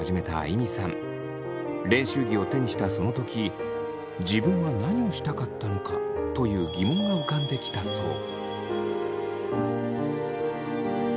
練習着を手にしたその時自分は何をしたかったのかという疑問が浮かんできたそう。